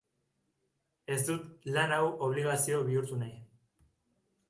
Ez dut lan hau obligazio bihurtu nahi.